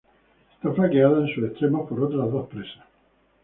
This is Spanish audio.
Está flanqueada en sus extremos por otras dos presas.